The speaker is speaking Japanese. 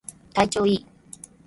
体調いい